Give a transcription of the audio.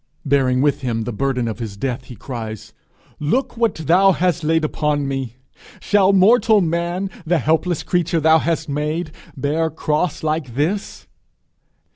Bearing with him the burden of his death, he cries, 'Look what thou hast laid upon me! Shall mortal man, the helpless creature thou hast made, bear cross like this?'